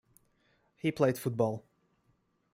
He played football.